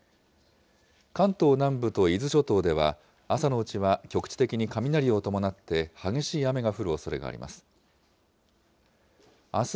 関東南部と伊豆諸島では、朝のうちは局地的に雷を伴って激しい雨が降るおそれがあります。